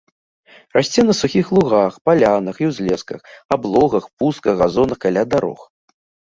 Расце на сухіх лугах, палянах і ўзлесках, аблогах, пустках, газонах, каля дарог.